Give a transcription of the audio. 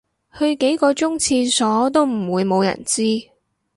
去幾個鐘廁所都唔會無人知